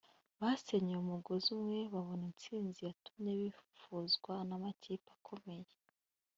basenyeye umugozi umwe babona intsinzi yatumye bifuzwa n’amakipe akomeye